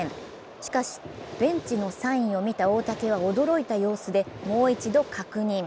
しかしベンチのサインを見た大竹は驚いた様子でもう一度確認。